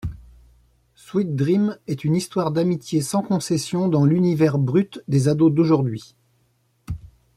Sweet Dream est une histoire d’amitié sans concessions dans l’univers brut des ados d'aujourd'hui.